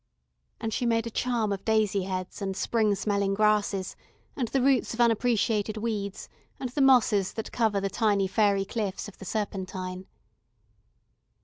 And she made a charm of daisy heads, and spring smelling grasses, and the roots of unappreciated weeds, and the mosses that cover the tiny faery cliffs of the Serpentine.